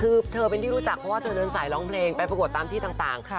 คือเธอเป็นที่รู้จักเพราะว่าเธอเดินสายร้องเพลงไปประกวดตามที่ต่าง